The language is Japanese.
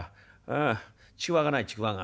ああちくわがないちくわが。